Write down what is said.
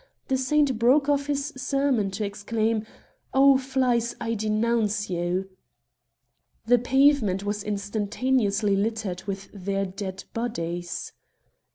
The saint broke off* his sermon to exclaim, *' O flies ! I denounce you !" The pavement was instantaneously littered with their dead bodies.